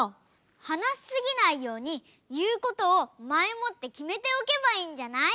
はなしすぎないようにいうことをまえもってきめておけばいいんじゃない？